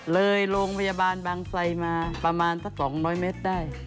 โรงพยาบาลบางไซมาประมาณสัก๒๐๐เมตรได้